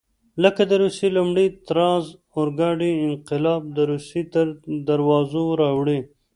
لکه د روسیې لومړي تزار اورګاډی انقلاب د روسیې تر دروازو راوړي.